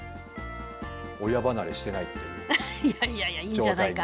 親離れしてないっていう状態に。